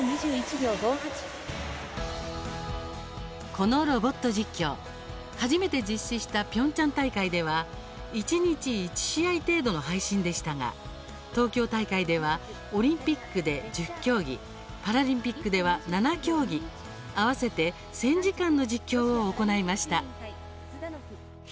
このロボット実況初めて実施したピョンチャン大会では一日１試合程度の配信でしたが東京大会ではオリンピックで１０競技パラリンピックでは７競技合わせて１０００時間の実況を行いました。